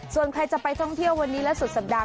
ส่วนใครจะไปท่องเที่ยววันนี้และสุดสัปดาห